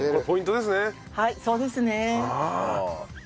はいそうですね。